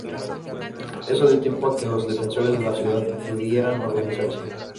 Esto dio tiempo a que los defensores de la ciudad pudieran organizarse.